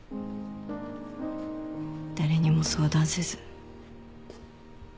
誰にも相談せず。